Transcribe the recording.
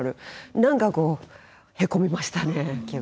何かこうへこみましたね。